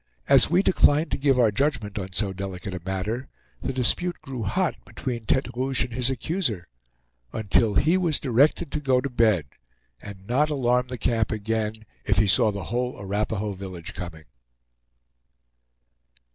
As we declined to give our judgment on so delicate a matter, the dispute grew hot between Tete Rouge and his accuser, until he was directed to go to bed and not alarm the camp again if he saw the whole Arapahoe village coming.